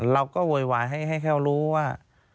เราก็โวยวายให้เขารู้ว่า